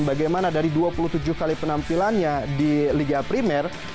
bagaimana dari dua puluh tujuh kali penampilannya di liga primer